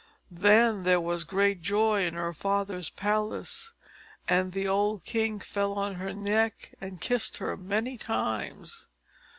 Then there was great joy in her father's palace, and the old king fell on her neck, and kissed her many times.